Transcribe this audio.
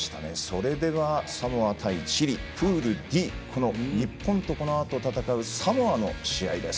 それではサモア対チリ、プールＤ日本とこのあと戦うサモアの試合です。